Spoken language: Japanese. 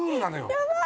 やばい！